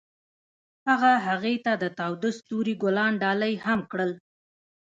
هغه هغې ته د تاوده ستوري ګلان ډالۍ هم کړل.